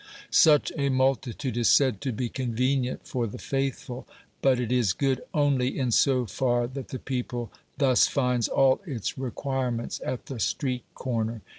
vSuch a multitude is said to be convenient for the faithful. But it is good only in so far that the people thus finds all its requirements at the street corner.